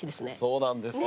そうなんですよ。